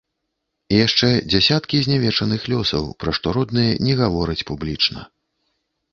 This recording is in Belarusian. І яшчэ дзясяткі знявечаных лёсаў, пра што родныя не гавораць публічна.